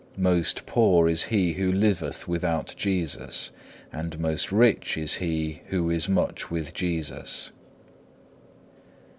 Most poor is he who liveth without Jesus, and most rich is he who is much with Jesus.